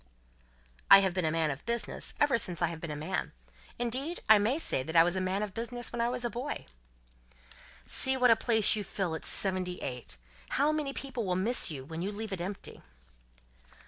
"I have been a man of business, ever since I have been a man. Indeed, I may say that I was a man of business when a boy." "See what a place you fill at seventy eight. How many people will miss you when you leave it empty!"